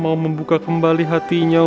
mau membuka kembali hatinya